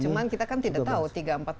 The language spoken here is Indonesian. cuma kita kan tidak tahu